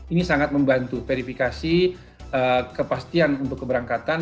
ini sangat membantu verifikasi kepastian untuk keberangkatan